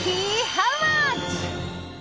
ハウマッチ。